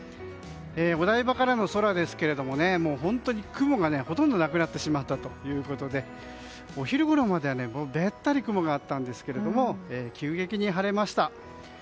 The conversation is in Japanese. お台場からの空ですけども本当に雲がほとんどなくなってしまったということでお昼ごろまではべったり雲があったんですけど急激に晴れました。